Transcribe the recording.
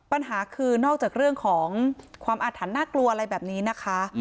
ปัญหาคือนอกจากเรื่องของความอาถรรพ์น่ากลัวอะไรแบบนี้นะคะ